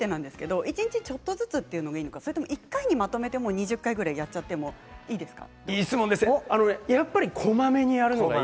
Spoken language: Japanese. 先ほどの体操を一日ちょっとずつというのがいいんですか１回にまとめて２０回くらいやっちゃってもいいですか。